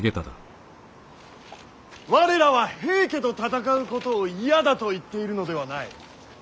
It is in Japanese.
我らは平家と戦うことを嫌だと言っているのではない。